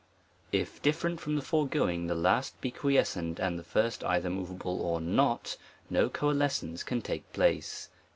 If different from the foregoing, the last be quiescent, and the first either moveable or not, no coalescence can take place.